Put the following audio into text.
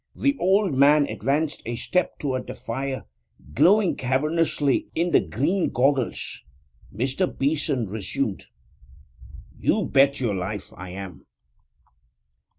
The old man advanced a step toward the fire, glowing cavernously in the green goggles. Mr. Beeson resumed. 'You bet your life I am!'